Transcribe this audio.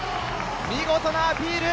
見事なアピール。